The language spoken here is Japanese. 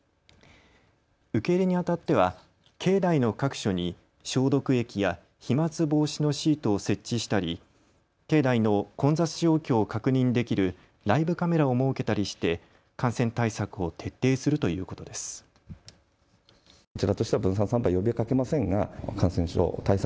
受け入れにあたっては境内の各所に消毒液や飛まつ防止のシートを設置したり境内の混雑状況を確認できるライブカメラを設けたりして感染対策を徹底するということです。